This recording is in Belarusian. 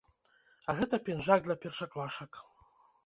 А гэта пінжак для першаклашак.